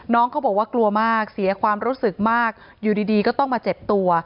น้องเขาบอกว่ากลัวมากเสียความรู้สึกมากอยู่ดีก็ต้องมาเจ็บตัว